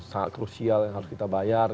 sangat krusial yang harus kita bayar